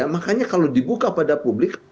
makanya kalau dibuka pada publik